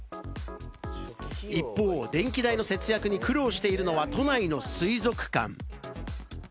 一方、電気代の節約に苦労しているのは都内の水族館。